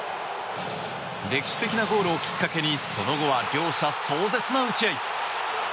歴史的なゴールをきっかけにその後は両者、壮絶な打ち合い。